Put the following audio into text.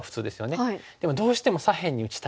でもどうしても左辺に打ちたい。